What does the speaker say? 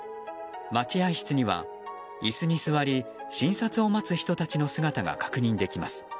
待合室には椅子に座り診察を待つ人たちの姿が確認できます。